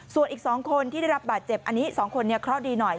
ส่วนอีก๒คนที่ได้รับบาดเจ็บอันนี้๒คนเคราะห์ดีหน่อย